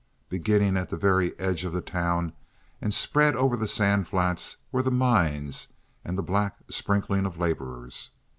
Beginning at the very edge of the town and spread over the sand flats were the mines and the black sprinkling of laborers.